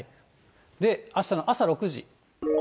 あしたの朝６時。